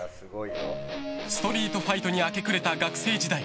ストリートファイトに明け暮れた学生時代。